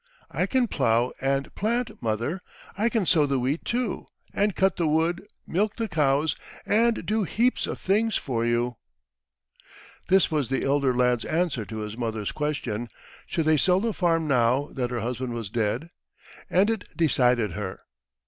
"I can plough and plant, mother. I can sow the wheat too, and cut the wood, milk the cows, and do heaps of things for you." [Illustration: The White House.] This was the elder lad's answer to his mother's question, "Should they sell the farm now that her husband was dead?" and it decided her.